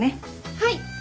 はい！